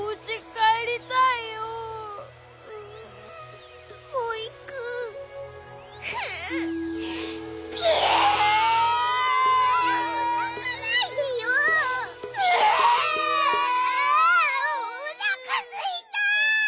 ああおなかすいた！